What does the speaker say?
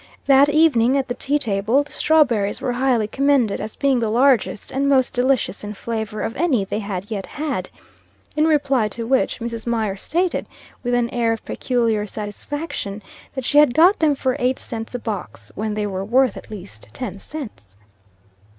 That evening, at the tea table, the strawberries were highly commended as being the largest and most delicious in flavor of any they had yet had; in reply to which, Mrs. Mier stated, with an air of peculiar satisfaction, that she had got them for eight cents a box, when they were worth at least ten cents.